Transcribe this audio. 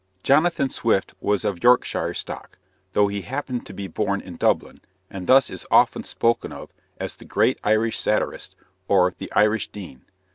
Jonathan Swift was of Yorkshire stock, though he happened to be born in Dublin, and thus is often spoken of as "the great Irish satirist," or "the Irish dean."